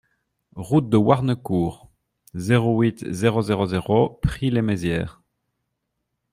Route de Warnecourt, zéro huit, zéro zéro zéro Prix-lès-Mézières